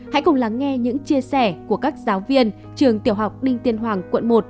hãy cùng lắng nghe những chia sẻ của các giáo viên trường tiểu học đinh tiên hoàng quận một